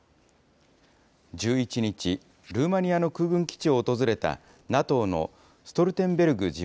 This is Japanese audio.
１１日、ルーマニアの空軍基地を訪れたＮＡＴＯのストルテンベルグ